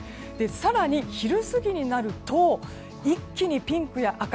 更に、昼過ぎになると一気にピンクや赤。